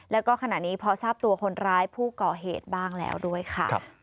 แล้วก็ขณะนี้พอทราบตัวคนร้ายผู้ก่อเหตุบ้างแล้วด้วยค่ะ